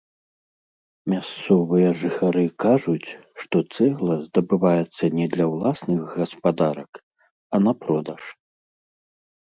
Мясцовыя жыхары кажуць, што цэгла здабываецца не для ўласных гаспадарак, а на продаж.